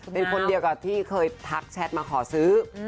เป็นคนเดียวกับที่เคยทักแชทมาขอซื้อ